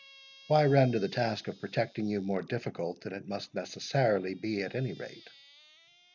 Why render the task of protecting you more difficult than it must necessarily be at any rate?